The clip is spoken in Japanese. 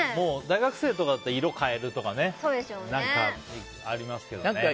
大学生とかだったら色変えるとかありますけどね。